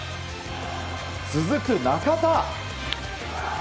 続く中田。